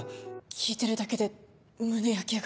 聞いてるだけで胸焼けが。